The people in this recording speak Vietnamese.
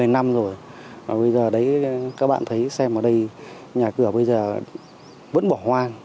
một mươi năm rồi bây giờ đấy các bạn thấy xem ở đây nhà cửa bây giờ vẫn bỏ hoang